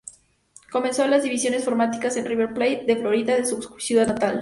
Comenzó en las divisiones formativas del River Plate de Florida, de su ciudad natal.